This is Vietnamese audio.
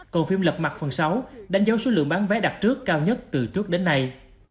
cầu phim lật mặt phần sáu đánh dấu số lượng bán vé đặt trước cao nhất từ trước đến nay